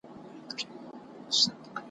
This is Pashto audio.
چي ډېوې یې بلولې نن له ملکه تښتېدلی `